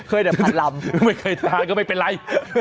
เคยแต่พันลำไม่เคยทานก็ไม่เป็นไร